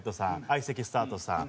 相席スタートさん。